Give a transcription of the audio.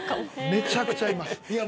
めちゃくちゃいます。